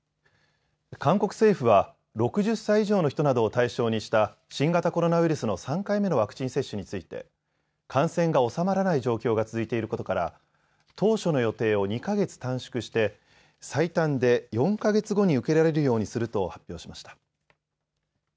韓国政府は、６０歳以上の人などを対象にした新型コロナウイルスの３回目のワクチン接種について、感染が収まらない状況が続いていることから、当初の予定を２か月短縮して、最短で４か月後に受けられるようにすると発表しました。